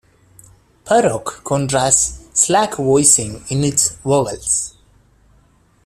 Parauk contrasts slack voicing in its vowels.